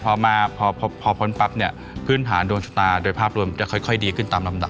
พอมาพอพ้นปั๊บเนี่ยพื้นฐานดวงชะตาโดยภาพรวมจะค่อยดีขึ้นตามลำดับ